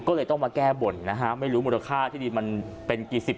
ก็เลยต้องมาแก้บนนะฮะไม่รู้มูลค่าที่ดีมันเป็นกี่สิบ